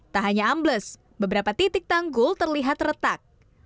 tak hanya ambles beberapa titik tanggul terlihat retak